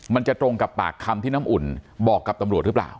มันจะตรงกับปากคำที่น้ำอุ่นบอกกับตำรวจหรือเปล่า